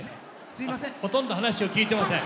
ほとんど話を聞いてません。